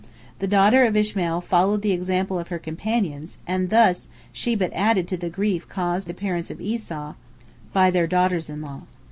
The daughter of Ishmael followed the example of her companions, and thus she but added to the grief caused the parents of Esau by their daughters in law.